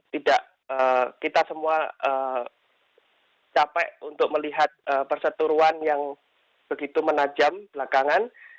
jadi kita semua capek untuk melihat perseturuan yang begitu menajam belakangan